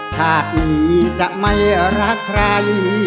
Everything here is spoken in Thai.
ชาตินี้จะไม่รักใคร